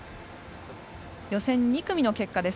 予選２組の結果です。